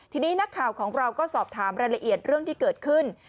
ทีนี้นักข่าวของเราก็สอบถามรายละเอียดเรื่องที่เกิดขึ้น